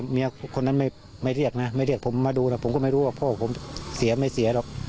ไม่ได้คุยกับคนชื่อนิวเลยหรือ